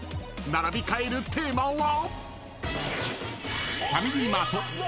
［並び替えるテーマは］